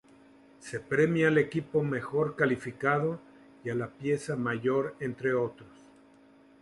Se premia al Equipo Mejor Calificado y a la Pieza Mayor, entre otros.